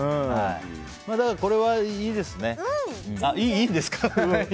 これはいいですね。